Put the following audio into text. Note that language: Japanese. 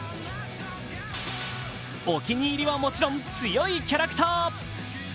お気に入りは、もちろん強いキャラクター。